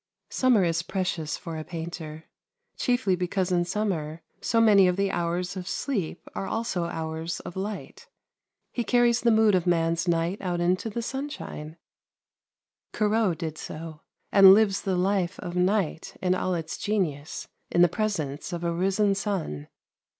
Summer is precious for a painter, chiefly because in summer so many of the hours of sleep are also hours of light. He carries the mood of man's night out into the sunshine Corot did so and lives the life of night, in all its genius, in the presence of a risen sun.